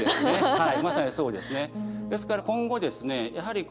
はい。